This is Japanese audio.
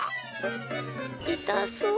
いたそう。